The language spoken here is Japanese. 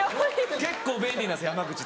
結構便利なんです山口。